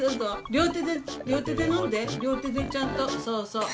両手で両手で飲んで両手でちゃんとそうそう。